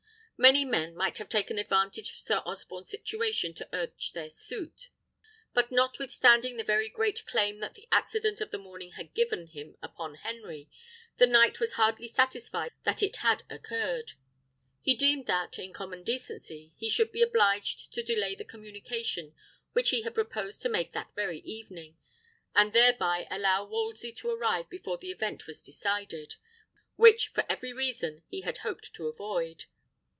Many men might have taken advantage of Sir Osborne's situation to urge their suit; but notwithstanding the very great claim that the accident of the morning had given him upon Henry, the knight was hardly satisfied that it had occurred. He deemed that, in common decency, he should be obliged to delay the communication which he had proposed to make that very evening, and thereby allow Wolsey to arrive before the event was decided, which for every reason he had hoped to avoid.